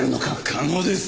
可能です。